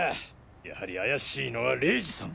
やはり怪しいのは玲二さん。